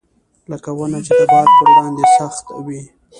لکه ونه چې د باد پر وړاندې سخت وي.